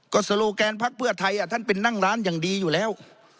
ก็โลแกนพักเพื่อไทยท่านเป็นนั่งร้านอย่างดีอยู่แล้ว